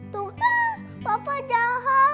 tuh kan papa jahat